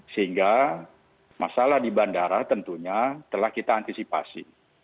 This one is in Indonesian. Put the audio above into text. sehingga masalah di bandara tentunya telah kita antisipasi